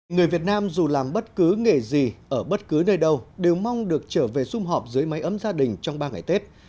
người việt nam dù làm bất cứ nghề gì ở bất cứ nơi đâu đều mong được trở về xung họp dưới máy ấm gia đình trong ba ngày tết